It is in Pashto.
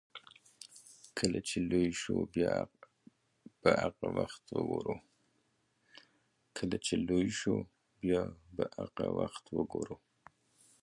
کله چې لويه شوه بيا به هغه وخت ګورو.